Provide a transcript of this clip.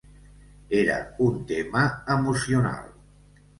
Era un tema emocional.